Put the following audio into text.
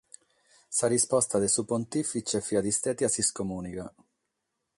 Sa risposta de su pontìfitze fiat istada s’iscomùniga.